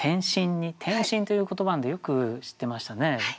天心という言葉なんてよく知ってましたね。